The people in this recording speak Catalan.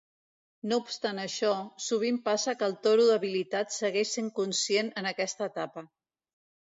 No obstant això, sovint passa que el toro debilitat segueix sent conscient en aquesta etapa.